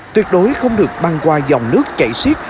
tuyệt đối không được băng qua dòng nước chảy xiết